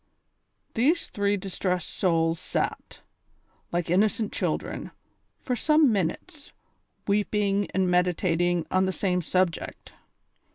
These three distressed souls sat, like innocent children, for some minutes, weeping and meditating on the same subject.